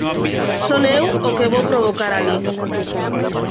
Son eu o que vou provocar alí.